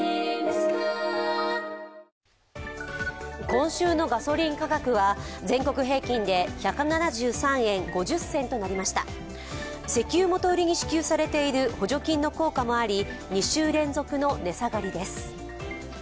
今週のガソリン価格は全国平均で１７３円５０銭となりました石油元売りに支給されている補助金の効果もあり２週連続の値下がりです。